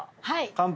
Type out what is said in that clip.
乾杯！